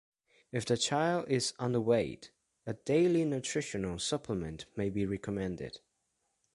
If the child is underweight, a daily nutritional supplement may be recommended.